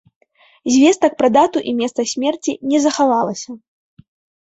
Звестак пра дату і месца смерці не захавалася.